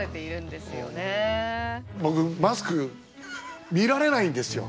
僕マスク見られないんですよ。